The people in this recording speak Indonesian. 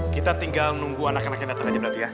kita tinggal menunggu anak anaknya datang aja berarti ya